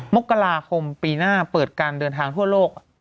มกราคมปีหน้าเปิดการเดินทางทั่วโลก